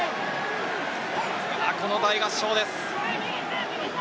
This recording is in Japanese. この大合唱です。